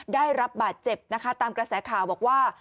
ได้รับบาดเจ็บนะคะตามกระแสข่าวบอกว่า